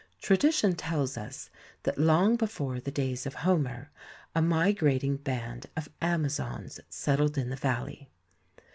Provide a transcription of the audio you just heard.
Tradition tells us that long before the days of Homer, a migrating band of Amazons settled in the valley.